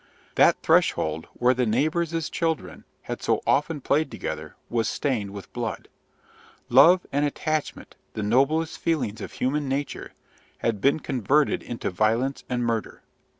That threshold where the neighbours' children had so often played together was stained with blood; love and attachment, the noblest feelings of human nature, had been converted into violence and murder.